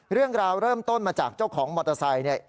เรื่องราวเริ่มต้นมาจากเจ้าของมอเตอร์ไซค์เนี่ย